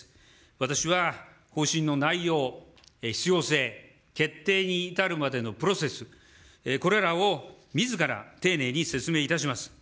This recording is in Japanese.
私は方針の内容、必要性、決定に至るまでのプロセス、これらをみずから丁寧に説明いたします。